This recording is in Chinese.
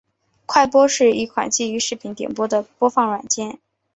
快播是一款基于视频点播的播放软件。